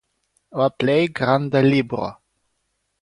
La plej granda libro.